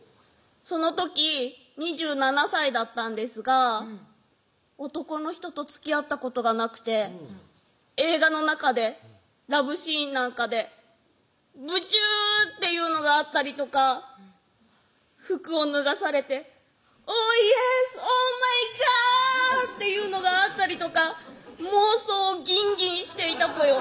その時２７歳だったんですが男の人とつきあったことがなくて映画の中でラブシーンなんかでブチューッていうのがあったりとか服を脱がされて「オーイエスオーマイガー」っていうのがあったりとか妄想ギンギンしていたぽよ